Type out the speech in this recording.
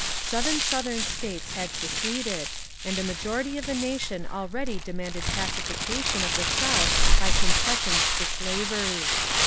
Seven Southern States had seceded, and a majority of the nation already demanded pacification of the South by conces sions to slavery.